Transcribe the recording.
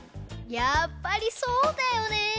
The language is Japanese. やっぱりそうだよね。